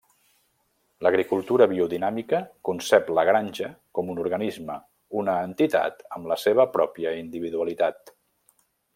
L'agricultura biodinàmica concep la granja com un organisme, una entitat amb la seva pròpia individualitat.